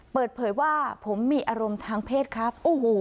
เปิดเผยว่าผมมีอารมณ์ทางเพศครับ